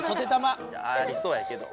ありそうやけど。